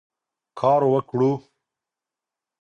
کار وکړو.